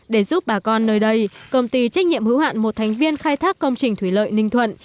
để giúp bà con nơi đây công ty trách nhiệm hữu hạn một thành viên khai thác công trình thủy lợi ninh thuận